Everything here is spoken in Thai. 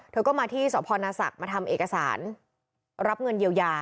เธอก็มาที่สพนศักดิ์มาทำเอกสารรับเงินเยียวยา